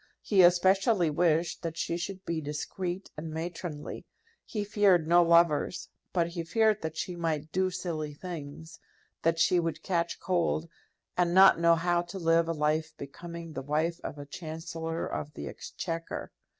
He especially wished that she should be discreet and matronly; he feared no lovers, but he feared that she might do silly things, that she would catch cold, and not know how to live a life becoming the wife of a Chancellor of the Exchequer.